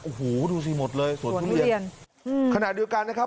โอ้โหดูสิหมดเลยสวนทุเรียนสวนทุเรียนอืมขณะดูกันนะครับ